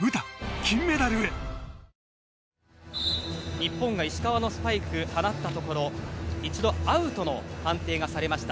日本が石川のスパイクを放ったところ一度アウトの判定がされました。